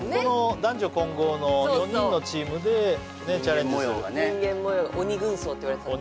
男女混合の４人のチームでチャレンジする人間模様がね鬼軍曹って言われてたもんね